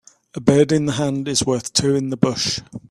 A bird in the hand is worth two in the bush.